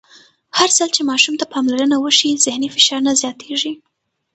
هرځل چې ماشوم ته پاملرنه وشي، ذهني فشار نه زیاتېږي.